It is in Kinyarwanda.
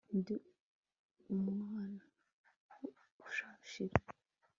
ndi umunwa usharira